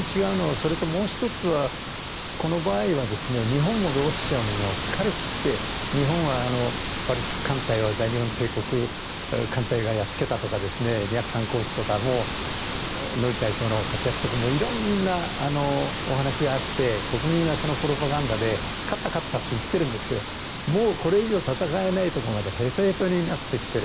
それともう１つはこの場合は、日本もロシアも疲れきっていて日本はバルチック艦隊を大日本帝国艦隊がやっつけたとか大将の活躍とかいろんなお話があって国民はプロパガンダで勝った、勝ったと言っているんですがこれ以上闘えないところまでへとへとになってきている。